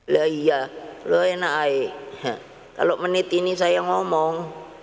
lah iya lo enak aja kalau menit ini saya ngomong